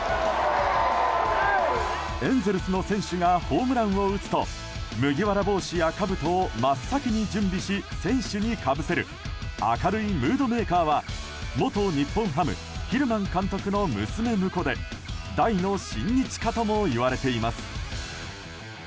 エンゼルスの選手がホームランを打つと麦わら帽子やかぶとを真っ先に準備し、選手にかぶせる明るいムードメーカーは元日本ハムヒルマン監督の娘婿で大の親日家ともいわれています。